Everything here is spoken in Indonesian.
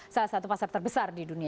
salah satu pasar terbesar di dunia